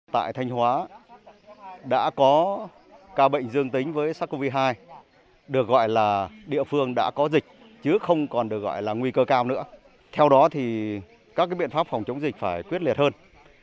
tại thanh hóa đã có ca bệnh dương tính với sars cov hai được gọi là địa phương đã có dịch chứ không còn được gọi là nguy cơ cao nữa theo đó thì các biện pháp phòng chống dịch phải quyết liệt hơn